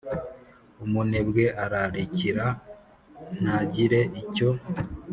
Umunebwe arararikira ntagire icyo